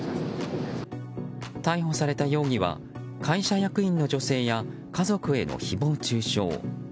逮捕された容疑は会社役員の女性や家族への誹謗中傷。